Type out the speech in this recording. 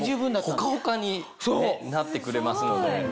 ホカホカになってくれますので。